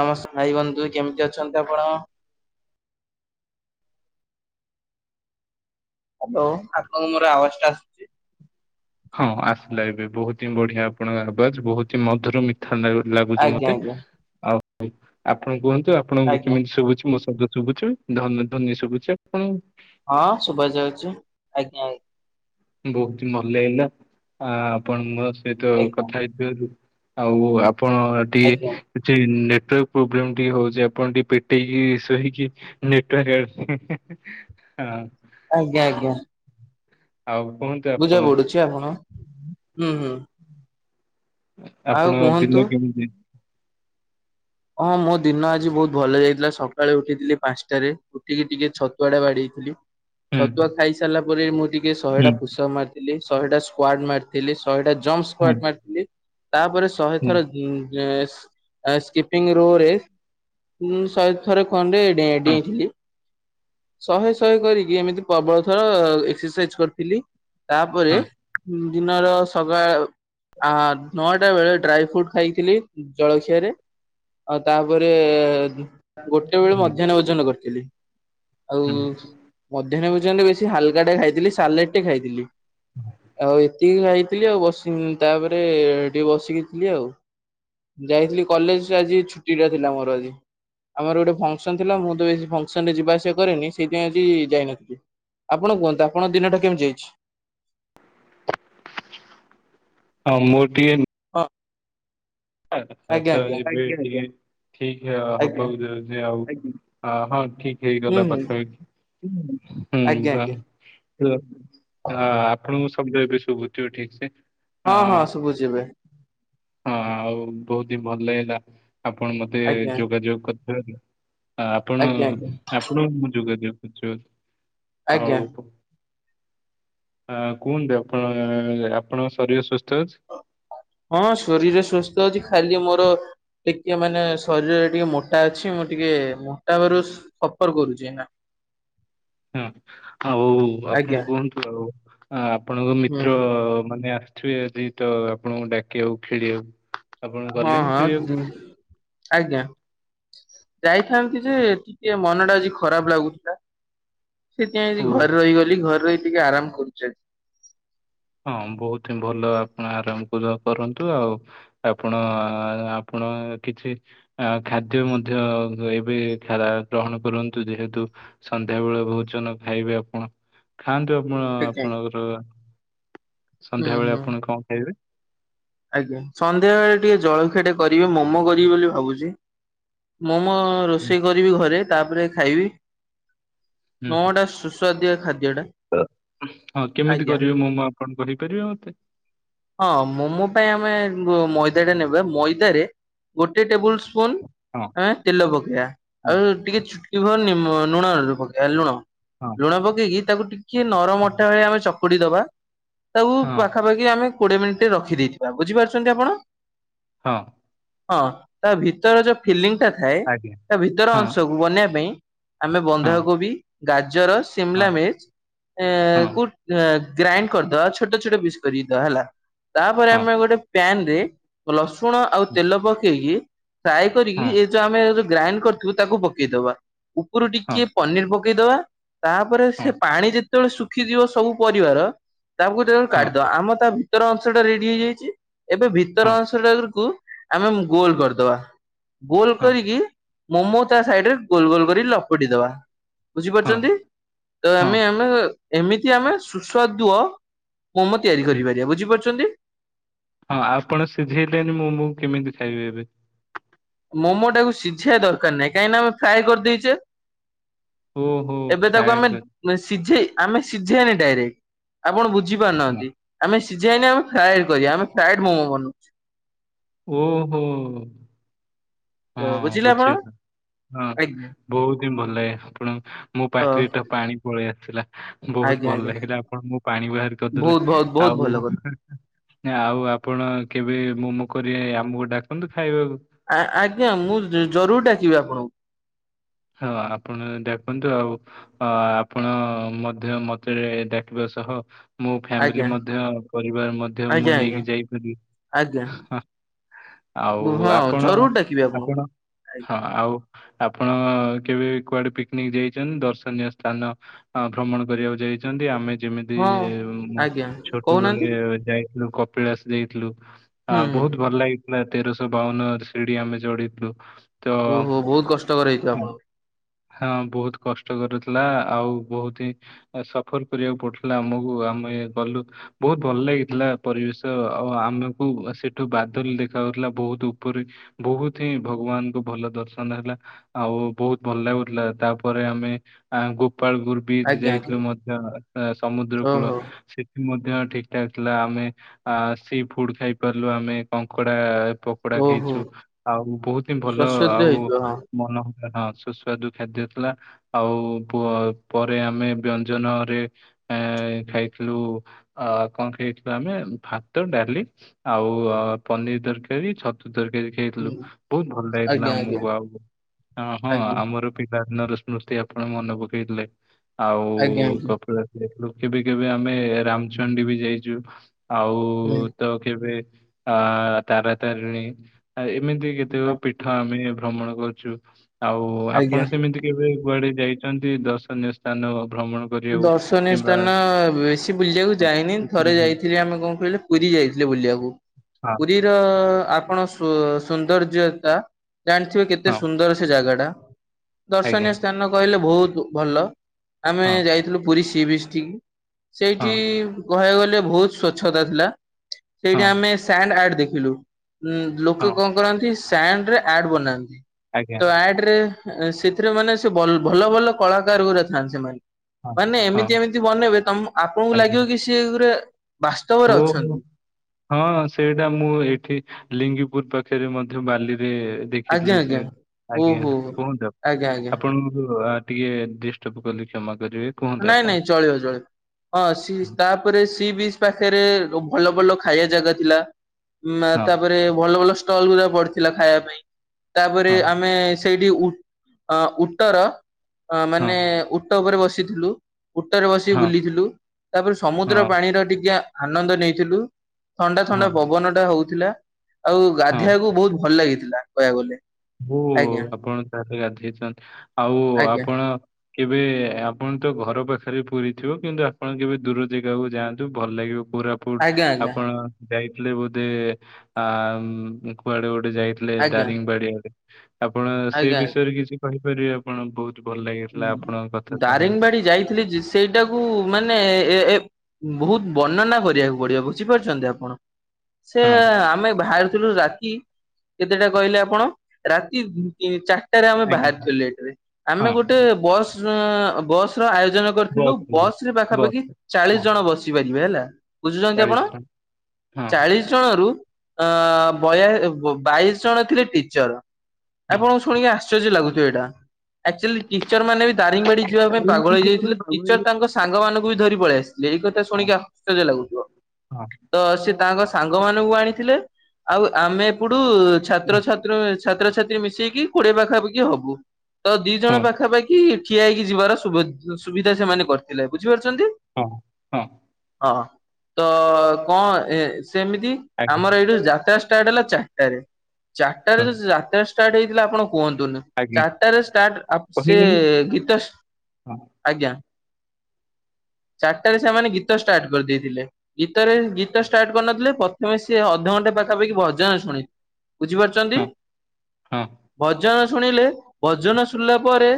ନମସ୍କାର ଭାଇ ବନ୍ଧୁ, କେମିତି ଅଛନ୍ତି ଆପଣ? ହ୍ୟାଲୋ ଆପଣଙ୍କୁ ମୋର ଆବାଜ ଟା ଆସ ହଁ, ଆସିଲା ଏବେ। ବହୁତ ହିଁ ବଢିଆ। ଆପଣଙ୍କ ଆବାଜ ବହୁତ ହିଁ ମଧୁର, ମି ଥଣ୍ଡା ପରି ଲାଗୁଛି ଆଜ୍ଞା ମତେ। ଆଜ୍ଞା ଆଉ, ଆପଣ କୁହନ୍ତୁ ଆପ ଆପଣଙ୍କୁ ଆଜ୍ଞା କେମିତି ଶୁଭୁଛି? ମୋ ଶବ୍ଦ ଶୁଭୁଛି ଧ୍ୱନୀ ଧ୍ୱନୀ ଶୁଭୁଛି ଆପଣଙ୍କୁ। ହଁ, ଶୁଭା ଯାଉଛି ଆଜ୍ଞା। ବହୁତ ହିଁ ଭଲ ଲାଗିଲା ଆ ଆପଣ ମୋ ସହିତ ଆଜ୍ଞା କଥା ହେଇଥିବାରୁ। ଆଉ ଆପଣ ଆ ଟିକେ। ଆଜ୍ଞା ଏଠି ନେଟୱାର୍କ ପ୍ରୋବ୍ଲେମ୍ ଟିକେ ହଉଛି ଆପଣ ଟିକେ ପେଟେଇକି ଶୋହିକି। ନେଟୱର୍କ ଜାଗା ଟିକେ ହେଁ ହେଁ ହଁ। ଆଜ୍ଞା ଆଜ୍ଞା। ଆଉ କୁହନ୍ତୁ। ବୁଝା ଆପଣ ପଡୁଛି ଆପଣ ହୁଁ ହୁଁ। ଆଉ ଆପଣଙ୍କ କୁହନ୍ତୁ ଦିନ କେମିତି। ହଁ ମୋ ଦିନ ଆଜି ବହୁତ ଭଲ ଯାଇଥିଲା ସକାଳେ ଉଠିଥିଲି ପାଞ୍ଚଟାରେ ଉଠିକି ଟିକେ ଛତୁଆଟା ବାଡେଇ ଥିଲି। ହୁଁ ଛତୁଆ ଖାଇ ସାରିଲା ପରେ ମୁଁ ଟିକେ ହୁଁ ଶହେଟା ପୁସ ଅପ୍ ମାରିଥିଲି ଶହେଟା ସ୍କ୍ୱାର୍ଡ ମାରି ଥିଲି ଶହେଟା ଜମ୍ପସ୍ ହୁଁ ସ୍କ୍ୱଟ ମାରିଥିଲି ତାପରେ ଶହେ ହୁଁ ଥର ଉଁ ଏଁ ଏ‌ସ୍କି ସ୍କିପିଙ୍ଗ ରୋ ରେ ହୁଁ ଶହେ ଥରେ ଖଣ୍ଡେ ଡିଁ ହଁ ଡେଇଁଥିଲି। ଶହେ ଶହେ କରିକି ଏମିତି ପ୍ରବଳଥର ଏକ୍ସ ସାଇଜ କରିଥିଲି ତାପରେ। ହଁ ଦିନର ସକାଳ ଆଁ ନଅଟା ବେଳେ ଡ୍ରାଇ ଫ୍ରୁଟ୍। ଖାଇଥିଲି ଜଳଖିଆରେ। ଆଉ ତାପରେ ଉଁ। ଗୋଟେ ବେଳେ ମଧ୍ୟାହ୍ନ ଭୋଜନ କରିଥିଲି ଆଉ ହଁ ମଧ୍ୟାହ୍ନ ଭୋଜନରେ ବେଶୀ ହାଲକାଟେ ଖାଇଥିଲି ସାଲାଡ୍ ଟେ ଖାଇଥିଲି ଆଉ ଏତିକି ଖାଇ। ଥିଲି ଆଉ ବସି ତାପରେ ଟିକେ ବସିକି ଥିଲି ଆଉ ଯାଇଥିଲି କଲେଜ। ଆଜି ଛୁଟିଟା ଥିଲା ମୋର ଆଜି। ଆମର ଗୋଟେ ଫଙ୍ଗସନ୍ ଥିଲା ମୁଁ ତ ବେସି ଫଙ୍ଗସନ ରେ ଯିବା ଆସିବା କରେନି ସେଇଥି ପାଇଁ ଆଜି ଯାଇନଥିଲି। ଆପଣ କୁହନ୍ତୁ ଆପଣଙ୍କ ଦିନଟା କେମିତି ଯାଇଛି। ହଁ ମୋର ଟିକେ। ହଁ। ଆଜ୍ଞା ହାତ ଆଜ୍ଞା ଏବେ ଟିକେ ଠିକ ହେ ଆଜ୍ଞା ହବାକୁ ଯାଉଛି ଆଉ। ହ ହଁ ଠିକ ହୁଁ ହୋଇଗଲା ହୁଁ ପାଖା ପାଖି ହୁଁ ଆଜ୍ଞା ହଁ। ଆଜ୍ଞା ଆ ଆପଣଙ୍କୁ ଶବ୍ଦ ଏବେ ଶୁଭୁଥିବ ଠିକ ସେ। ହଁ ହଁ ସବୁଛି ଏବେ। ହଁ ଆଉ ବହୁତ ହି ଭଲ ଲାଗିଲା ଆପଣ ମତେ ଆଜ୍ଞା ଯୋଗାଯୋଗ କରିଥିବାରୁ। ଆପଣ ଆଜ୍ଞା ଆଜ୍ଞା ଆପଣ ମୁଁ ଯୋଗାଯୋଗ କରିଛି ବଧେ ଆଜ୍ଞା ଆଉ। ହଁ କୁହନ୍ତୁ ଆପଣ ଆପଣଙ୍କ ଶରୀର ସୁସ୍ଥ ଅଛି। ହଁ ଶରୀର ସୁସ୍ଥ ଅଛି ଖାଲି ମୋର। ଟିକେ ମାନେ ଶରୀରରେ ଟିକେ ମୋଟା ଅଛି ମୁଁ ଟିକେ ମୋଟା ହବାରୁ ସଫର କରୁଛି ନା [inaudible] ହଁ ଆଉ ଆପଣ ଆଜ୍ଞା କୁହନ୍ତୁ ଆଉ ଆପଣଙ୍କ ହୁଁ ମିତ୍ର ମାନେ ଥିବେ ଯଦି ତ ଆପଣଙ୍କୁ ଡାକି ଆକୁ ଖେଳି ଆଉ। ହଁ ହଁ ଆଜ୍ଞା ଯାଇଥାନ୍ତି ଯେ ଟିକେ ମନ ଟା ଆଜି ଖରାପ ଲାଗୁଥିଲା। ସେଥିପାଇଁ ଓ ଆଜି ଘରେ ରହିଗଲି ଘରେ ରହି ଟିକେ ଆରାମ କରୁଛି ଆଜି ହଁ ବହୁତ ହିଁ ଭଲ ଆପଣ ଆରାମ ପୁରା କରନ୍ତୁ ଆଉ। ଆପଣ ଆପଣ କିଛି। ଆ ଖାଦ୍ୟ ମଧ୍ୟ ଏବେ ସାରା ଗ୍ରହଣ କରନ୍ତୁ ଯେହେତୁ। ସନ୍ଧ୍ୟା ବେଳେ ଭୋଜନ ଖାଇବେ ଆପଣ ଖାଆନ୍ତୁ ଆପଣ ଆଜ୍ଞା। ଆପଣଙ୍କର। ହୁଁ ସନ୍ଧ୍ୟାବେଳେ ହୁଁ ଆପଣ କଣ ଖାଇବେ? ଆଜ୍ଞା ସନ୍ଧ୍ୟାବେଳେ ଟିକେ ଜଳଖିଆଟେ କରିବେ ମୋମୋ କରିବି ବୋଲି ଭାବୁଛି ମୋମୋ ମୁଁ ହୁଁ ରୋଷେଇ କରିବି ଘରେ ତାପରେ ଖାଇବି ହୁଁ। ନଅ ଟା ସୁସ୍ ସୁଆଦିଆ ଖାଦ୍ୟଟା ହଁ କେମିତି କରିବେ ମୋମୋ ଆପଣ କହିପାରିବେ ମତେ? ହଁ ମୋମୋ ପାଇଁ ଆମେ ମଇଦାଟା ନେବେ ମଇଦାରେ ଗୋଟେ ଟେବୁଲ ସ୍ପୁନ୍ ହଁ ତେଲ ପକେଇବା ହଁ ଆଉ ଟିକେ ଛୁ [unintelligible] ହଁ। ଲୁଣ ପକେଇକି ତାକୁ ଟିକେ ନରମ ଅଟା ଭଳିଆ ଆମେ ଚକୁଡି ଦବା ତାକୁ ହଁ ପାଖାପାଖି କି ଆମେ କୋଡିଏ ମିନିଟି ରଖିଦେଇଥିବା ବୁଝିପାରୁଛନ୍ତି ଆପଣ? ହଁ। ହଁ ତା ଭିତର ଯୋଉ ଫିଲିଂ ଟା ଥାଏ ଆଜ୍ଞା ତା ଭିତର ହଁ ଅଂଶକୁ ବନେଇବା ପାଇଁ ଆମେ ହଁ ବନ୍ଧାକୋବି, ଗାଜର, ହଁ ସିମ୍ଲା ମିିର୍ଚ୍ ହଁ ଏକୁ ଗ୍ରାଇଣ୍ଡ୍ କରିଦବା ଛୋଟ ଛୋଟ ପିସ୍ କରିକି ଦବା ହେଲା। ତାପରେ ହଁ ଆମେ ଗୋଟେ ପ୍ୟାନ୍ ରେ ରସୁଣ ଆଉ ତେଲ ପକେଇକି ଫ୍ରାଏ କରିକି ହଁ ଏଇ ଯୋଉ ଆମେ ଯୋଉ ଗ୍ରାଇଣ୍ଡ୍ କରିିଥିବୁ ତାକୁ ପକେଇଦବା। ଉପୁରୁ ହଁ ହଁ ଟିକେ ପନିର ପକେଇଦବା ତାପରେ ହଁ ସେ ପାଣି ରେ ଯେତେବେଳେ ଶୁଖିଯିବ ସବୁ ପରିବାର ତାକୁ ସେତେବେଳେ ହଁ କାଢିଦବା ଆମ ତା ଭିତର ଅଂଶ ରେଡି ହେଇଯାଇଛି ଏବେ ଭିତର ହଁ ଅଂଶ ଟାକୁ ଆମେ ଗୋଲ୍ କରିଦବା। ଗୋଲ କରିକି ମୋମୋ ତା ସାଇଡରେ ଗୋଲ୍ ଗୋଲ୍ କରି ଲପଟି ଦବା। ହଁ ବୁଝିପାରୁଛନ୍ତି, ତ ହଁ ଆମେ ଆମେ ଏମିତି ଆମେ ସୁସ୍ୱାଦ୍ବ ମୋମ ତିଆରି ହୁଁ କରିପାରିବା ବୁଝିପାରୁଛନ୍ତି। ହଁ ଆପଣ ସିଝେଇଲେନି ମୋମୋ କେମିତି ଖାଇବେ ଏବେ? ମୋମୋ ଟାକୁ ସିଝେଇବା ଦରକାର ନାହିଁ କାହିଁକିନା ଆମେ ଫ୍ରାଏ କରିଦେଇଛେ। ଓହୋ ଏବେ ତାକୁ ଫ୍ରାଏଡ ଆମେ କରି ସିଝେଇ ଆମେ ସିଝେଇଆନି ଡାଇରେକ୍ଟ୍ ଆପଣ ହଁ, ବୁଝିପାରୁନାହାନ୍ତି ଆମେ ସିଝେଇଆନି ଆମେ ଫ୍ରାଏ କରିବା ଆମେ ଫ୍ରାଏଡ୍ ମୋମୋ ବନୋଉ। ଓହୋ ହୋ ହଁ ବୁଝିଲେ ଆପଣ ବୁଝିଲି ହଁ। ଆଜ୍ଞା ବୋହୁତି ହିଁ ଭଲ ଲାଗେ ଆପଣ ମୋ ହଁ ପାଟିରେ ତ ପାଣି ପଳେଇ ଆସିଲା। ବହୁତ୍ ଆଜ୍ଞା ଭଲ ଆଜ୍ଞା ଲାଗିଲା ଆପଣ ମୋ ପାଣି ବାହାର କରିଦେଲେ ବହୁତ ବହୁତ ବହୁତ ଆଉ ଭଲ ଆଉ ଆପଣ କେବେ ମୋମୋ କରିବେ ଆମକୁ ଡାକନ୍ତୁ ଖାଇବାକୁ? ଆ ଆଜ୍ଞା ମୁଁ ଜରୁରୀ ଡାକିବି ଆପଣଙ୍କୁ। ହଁ ଆପଣ ଡାକନ୍ତୁ ଆଉ। ହଁ ଆପଣ ମଧ୍ୟ ମତେ ଡାକିବା ସହ ମୋ ଫ୍ୟାମିଲି ଆଜ୍ଞା ମଧ୍ୟ ପରିବାର ମଧ୍ୟ ଆଜ୍ଞା ମୁଁ ଆଜ୍ଞା ନେଇକି ଯାଇପାରିବି। ଆଜ୍ଞା ହଁ ଆଉ ବୁ- ହଁ ଆପଣ, ଜରୁର ଡାକିବି ଆପଣଙ୍କୁ ଆପଣ ଆଜ୍ଞା। ହଁ ଆଉ ଆପଣ ହଁ କେବେ ବି କୁଆଡେ ପିକ୍ନିକ୍ ଯାଇଛନ୍ତି, ଦର୍ଶନୀୟ ସ୍ଥାନ ଭ୍ରମଣ କରିବାକୁ ଯାଇ ଛନ୍ତି, ଆମେ ଯେମିତି ହଁ ଆଜ୍ଞା କହୁନାହାନ୍ତି ଛୋଟବେଳେ ଯାଇଥିଲୁ କ ପିଳାସ ଯାଇଥିଲୁ ଆ ହୁଁ ହୁଁ ବହୁତ ଭଲ ଲାଗି ଲା ତେରଶହ ବାଉନ ସିଡିି ଆମେ ଚଢିଥିଲୁ, ତ ବ୍ରତଘର ହେଇଥିବ ହଁ ଆପଣ ହଁ ବହୁତ୍ କଷ୍ଟକର ଥିଲା ଆଉ ବହୁତ୍ ହିଁ ଆ ସଫର୍ କରିବାକୁ ପଡୁଥିଲା ଆମକୁ ଆମେ ଗଲୁ। ବହୁତ ଭଲ ଲାଗିଥିଲା ପରିବେଶ ଆଉ ଆମକୁ ସେଠୁ ବାଦଲ୍ ଦେଖାଯାଉଥିଲା ବହୁତ ଉପରେ ବୋହୁତ୍ ହିଁ ଭଗବାନଙ୍କୁ ଭଲ ଦର୍ଶନ ହେଲା। ଆଉ ବହୁତ ଭଲ ଲାଗୁଥିଲା ତାପରେ ଆମେ ଆଁ ଗୋପାଳପୁର ବିଚ୍ ଆଜ୍ଞା ଆଜ୍ଞା ଯାଇଥିଲୁ ମଧ୍ୟ ଆ ସମୁଦ୍ରକୂଳ ଓହୋ ସେ ମଧ୍ୟ ଠିକ୍ ଠାକ୍ ଥିଲା ଆମେ, ଆ ସି ଫୁଡ୍ ଖାଇ ପାରିଲୁ ଆମେ କଙ୍କଡା ପ କଡା ଓହୋ ଖାଇଛୁ, ଆଉ ବୋହୁତ୍ ହିଁ ଭଲ ଶ୍ୱାସରୁଦ୍ଧ ଆଉ ହେଇଥିବ ହଁ ମନ ହୋଉଥିଲା, ହଁ ସୁସ୍ୱାଦୁ ଖାଦ୍ୟ ଥିଲା। ଆଉ ପୁଅ ପରେ ଆମେ ବ୍ୟଞ୍ଜନରେ ଏଁ ଖାଇଥିଲୁ ଆ କଣ ଖାଇଥିଲୁ ଆମେ ଭାତ, ଡାଲି ଆଉ ଅ ପନିର୍ ତରକାରୀ, ଛତୁ ତରକାରୀ ହୁଁ ଖେଇଥିଲୁ, ବହୁତ ଭଲ ଲାଗିଥିଲା ଆଜ୍ଞା ଆଜ୍ଞା ଆମକୁ ଆଉ ହଁ ହଁ ଆଜ୍ଞା ଆମର ପିଲାଦିନର ସ୍ମୃତି ଆପଣ ମନେ ପକେଇଦେଲେ, ଆଉ ଆଜ୍ଞା ଆଜ୍ଞା କପିଳା ଯାଇଥିଲୁ, କେବେ କେବେ ଆମେ ରାମଚଣ୍ଡୀ ବି ଯାଇଚୁ, ଆଉ ହୁଁ ତ କେବେ ଅ ତାରାତାରିଣୀ ଆ ଏମିତି କେତେକ ଆ- ପୀଠ ଆମେ ଭ୍ରମଣ କରୁଛୁ, ଆଉ ଆଜ୍ଞା ଆପଣ ସେମିତି କେବେ କୁଆଡେ ଯାଇଛନ୍ତି ଦର୍ଶନୀୟ ସ୍ଥାନ ଭ୍ରମଣ କରିବାକୁ? ଦର୍ଶନୀୟ କିମ୍ବା ସ୍ଥାନ ବେଶୀ ବୁଲିବାକୁ ଯାଇନି ହଁ ଥରେ ହଁ ଯାଇଥିଲି ଆମେ କଣ କହିଲେ ପୁରୀ ଯାଇଥିଲେ ବୁଲିବାକୁ, ପୁରୀର ଆପଣ ସୋ ସୌନ୍ଦର୍ଯ୍ୟତା ଜାଣିଥିବେ କେତେ ହଁ ସୁନ୍ଦର ସେ ଜାଗାଟା, ଆଜ୍ଞା ଦର୍ଶନୀୟ ସ୍ଥାନ କହିଲେ ବହୁତ ଭଲ। ଆମେ ହଁ ଯାଇଥିଲୁ ପୁରୀ ସି ବିଷ୍ଟିକି, ସେଇଠି ହଁ କହିବାକୁ ଗଲେ ବହୁତ ସ୍ଵଚ୍ଛତା ଥିଲା, ସେଇଟି ହଁ ଆମେ ସ୍ୟାଣ୍ଡ ଆର୍ଡ଼ ଦେଖିଲୁ। ଉଁ ଲୋକେ ହଁ କଣ କରନ୍ତି ସ୍ୟାଣ୍ଡରେ ଆର୍ଡ଼ ବନାନ୍ତି, ଆଜ୍ଞା ତ ଆର୍ଡ଼ରେ ଆଁ ସେଥିରେ ମାନେ ସେ ବଲ୍ ଭଲ ଭଲ କଳାକାର ଗୁରେ ଥାଆନ୍ତି ସେମାନେ। ହଁ ମାନେ ହଁ ଏମିତି ଏମିତି ବନେଇବେ ତମ୍ ଆପଣଙ୍କୁ ଲାଗିବ କି ସିଏ ଗୁରେ ବାସ୍ତବରେ ଓହୋ ଅଛନ୍ତି। ହଁ ସେଇଟା ମୁଁ ଏଇଠି ଲିଙ୍ଗିପୁର ପାଖରେ ମଧ୍ୟ ବାଲିରେ ଆଜ୍ଞା ଦେଖିଥିଲେ ସେ ଆଜ୍ଞା। ଆଜ୍ଞା ଓହୋ କୁହନ୍ତୁ ଆପ୍, ଆଜ୍ଞା ଆଜ୍ଞା ଆପଣଙ୍କୁ ଆ ଟିକେ ଡ଼ିଷ୍ଟବ୍ କଲି କ୍ଷମା କରିବେ। କୁହନ୍ତୁ ନାଇଁ ଆପଣ ନାଇଁ ଚଳିବ ଚଳିବ। ହଁ ସି ତାପରେ ସି ବିଜ୍ ପାଖରେ ଭଲ ଭଲ ଖାଇବା ଜାଗା ଥିଲା। ମା ହଁ ତାପରେ ଭଲ ଭଲ ଷ୍ଟଲ ଗୁରା ପଡ଼ିଥିଲା ଖାଇବା ପାଇଁ ତାପରେ ହଁ ଆମେ ସେଇଠି ଉ ଅ ଉଟର ଅ ହଁ ମାନେ ଉଟ ଉପରେ ବସିଥିଲୁ। ଉଟରେ ବସି ହଁ ବୁଲିଥିଲୁ ତାପରେ ସମୁଦ୍ର ହଁ ପାଣିର ଟିକେ ଆନନ୍ଦ ନେଇଥିଲୁ। ଥଣ୍ଡା ଥଣ୍ଡା ହଁ ପବନ ଟା ହଉଥିଲା ଆଉ ହଁ ଗାଧେଇଆକୁ ବହୁତ ଭଲ ଲାଗିଥିଲା କହିବାକୁ ଗଲେ। ହ ଆଜ୍ଞା ଆପଣ ତାହଲେ ଗାଧେଇଚନ୍ତି ଆଉ ଆଜ୍ଞା ଆପଣ କେବେ ଆପଣ ତ ଘର ପାଖରେ ପୁରୀ ଥିବ କିନ୍ତୁ ଆପଣ କେବେ ଦୂର ଜାଗାକୁ ଯାଆନ୍ତୁ ଭଲ ଲାଗିବ ପୁରା ଆଜ୍ଞା ଆଜ୍ଞା। ଆପଣ ଯାଇଥିଲେ ବୋଧେ ଆ କୁଆଡେ ଗୋଟେ ଯାଇଥିଲେ ଆଜ୍ଞା ଦାରିଙ୍ଗ ବାଡିଆଡେ। ଆପଣ ସେ ଆଜ୍ଞା ବିଷୟରେ କିଛି କହିପାରିବେ ଆପଣ ବହୁତ୍ ଦାରିଙ୍ଗବାଡି ଯାଇଥିଲି ସେଇଟାକୁ ମାନେ ଏ ଏ ବହୁତ ବର୍ଣ୍ଣନା କରିବାକୁ ପଡିବ ବୁଝିପାରୁଚନ୍ତି ଆପଣ। ସେ ହଁ ଆମେ ଭାରଥିଲୁ ରାତି କେତେଟା କହିଲେ ଆପଣ ରାତି ଚାରିଟରେ ଆମେ ଆଜ୍ଞା ବାହାରିଚୁ ଲେଟରେ। ଆମେ ହଁ ଗୋଟେ ଏ ବସ୍ ବସ୍ ର ଆୟୋଜନ କରିଥିଲୁ ବସ୍ ରେ ବସ୍ ପାଖାପାଖି ଚାଳିଶ ହଁ ଜଣ ବସି ପାରିବେ ହେଲା ବୁଝୁଚନ୍ତି ଆପଣ। ଚାଳିଶ ଟଙ୍କା ଚାଳିଶ ଜଣରୁ ଅ ବୟା ବ ବ ବାଇଶି ଜଣ ଥିଲେ ଟିଚର ହଁ ଆପଣଙ୍କୁ ଶୁଣିକି ଆସ ଚର୍ଯ୍ୟ ଲାଗୁିବ ଏଇଟା। କ୍ଚୁଆଲି ଟିଚର ମାନେ ବି ଦାରିଙ୍ଗବାଡି ଯିବା ହଁ ପାଇଁ ତାରିଣୀ ପାଗଳ ହେଇ ଯିବା ପାଇଁ ଯାଇଥିଲେ ବାବୁଆଇ। ଟିଚର ତାଙ୍କ ସାଙ୍ଗ ମାନଙ୍କୁ ବି ଧରି ପଳେଇ ଆସଥିଲେ ଏଇ କଥା ହଁ ଶୁଣିକି ଆଶ୍ଚର୍ଯ୍ୟ ଲାଗୁଥିବ ହଁ ତ ସେ ତାଙ୍କ ସାଙ୍ଗ ମାନଙ୍କୁ ଆଣିଥିଲେ ଆଉ ଆମେ ଏପଟୁ ଛାତ୍ରଛାତ୍ରୀ ଛାତ୍ରଛାତ୍ରୀ ମିଶେଇକି କୋଡିଏ ପାଖାପାଖି ହବୁ। ତ ଦି ଜଣ ଆଜ୍ଞା। ହଁ ପାଖା କ ଠିଆ ହେଇକି ଯିବାର ସୁବିଧା ସେମାନେ କରିଥିଲେ ବୁଝିପାରୁଚନ୍ତି। ହଁ ହଁ ହଁ। ତ କଣ ସେମିତି ଆଜ୍ଞା ଆମର ଏଇଠୁ ଯାତ୍ରା ଷ୍ଟାର୍ଟ ହେଲା ଚା ଚାରିଟ ହଁ ଯାତ୍ରା ଯାତଟା ଷ୍ଟାର୍ଟ ହେଇଥିଲା ଆପଣ କୁହନ୍ତୁନି। ଆଜ୍ଞା ଚାରିଟାରେ ଷ୍ଟାଟ୍ ଆ ସେ କହିବେନି ଗୀତ ହଁ ଆଜ୍ଞା। ଚାରିଟାରେ ସେମାନେ ଗୀତ ଷ୍ଟାର୍ଟ କରିଦେଇଥିଲେ। ଗୀତରେ ଗୀତ ଷ୍ଟାର୍ଟ କରିନଥିଲେ ପ ମାନେ ସିଏ ଅଧଘଣ୍ଟା ପାଖାପାଖି ଭଜନ ଶୁଣି ବୁଝିପାରୁଚନ୍ତି। ହଁ ହଁ ଭଜନ ଶୁଣିଲେ ଭଜନ ଶୁଣିଲା ପରେ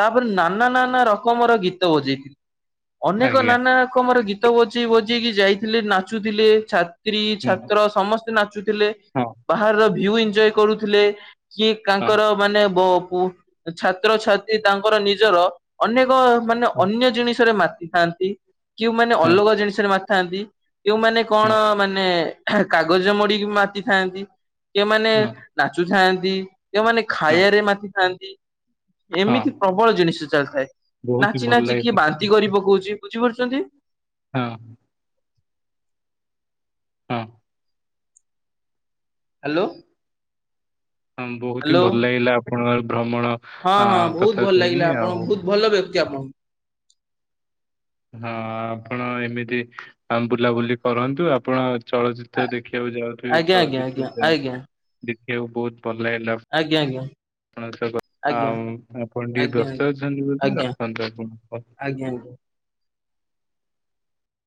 ତାପରେ ନାନା ନାନା ର ରକମର ଗୀତ ବଜେଇଥିଲେ। ଅନେକ ଆଜ୍ଞା ନାନା ରକମର ଗୀତ ବଜେଇ ବଜେଇକି ଯାଇଥିଲେ ନାଚୁଥିଲେ ଛା ତ୍ରି ହଁ ଛାତ୍ର ସମସ୍ତେ ନାଚୁଥିଲେ ହଁ ହଁ ବାହାରର ଭିୁ ଏଞଜୟ କରୁଥିଲେ। କି ହଁ ତାଙ୍କର ହଁ ମାନେ ବ ବୁ ଛାତ୍ରଛାତ୍ରୀ ତାଙ୍କର ନିଜର ଅନେକ ମାନେ ଅନ୍ୟ ଜିନିଷରେ ମାତିଥାନ୍ତି କିଉ ମାନେ ଅଲଗା ଜିନିଷରେ ମା ଥାନ୍ତି କେଉଁମାନେ କଣ ହଁ ହଁ ମାନେ କାଗଜ ମୋଡିକି ମାତିଥାନ୍ତି। କେଉଁମାନେ ନାଚୁଥାନ୍ତି, କେଉଁମାନେ ହଁ ଖାଇବାରେ ମାତିଥାନ୍ତି। ଏମିତି ପ୍ରବଳ ଜିନିଷ ଚାଲିଥାଏ। ବହୁତ ହି ନାଚି ଭଲ ନାଚି କିଏ ଲାଗିଲା ବାନ୍ତି କରି ପକଉଚି ବୁଝିପାରୁଚନ୍ତି। ହଁ। ହଁ। ହ୍ୟାଲୋ। ହ ବହୁତ ହିଁ ହ୍ୟାଲୋ। ଭଲ ଲାଗିଲା ଆପଣଙ୍କ ଭ୍ରମଣ ହଁ ଅ ହଁ ବହୁତ କଥା ଭଲ ଶୁଣି ଲାଗିଲା ଆପଣ ଆଉ ବହୁତ ଭଲ ବ୍ୟକ୍ତି ଆପଣ। ହଁ ଆପଣ ଏମିତି ବୁଲାବୁଲି କରନ୍ତୁ। ଆପଣ ଆ ଚଳଚିତ୍ର ଦେଖିବାକୁ ଯାଉଥିବେ ଆଜ୍ଞା ଆଜ୍ଞା ଚଳଚିତ୍ର ଯାନ୍ତୁ ଆଜ୍ଞା ଦେଖିବାକୁ ବହୁତ ଭଲ ଲାଗିଲା। ଆଜ୍ଞା ଆଜ୍ଞା। ଆପଣ ସହ କଥା ଆ ଆପଣ ଟିକେ ଆଜ୍ଞା ବ୍ୟସ୍ତ ଅଛନ୍ତି ଆଜ୍ଞା ଆଜ୍ଞା ବୋଧେ ଆଜ୍ଞା ରଖନ୍ତୁ ଆପଣ। ଆଜ୍ଞା।